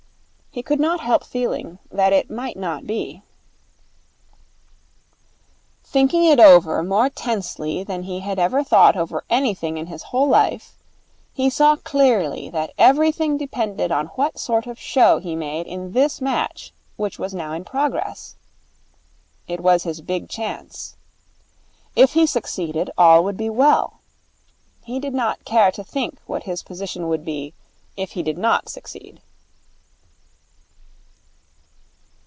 He could not help feeling that it might not be. Thinking it over more tensely than he had ever thought over anything in his whole life, he saw clearly that everything depended on what sort of show he made in this match which was now in progress. It was his big chance. If he succeeded, all would be well. He did not care to think what his position would be if he did not succeed.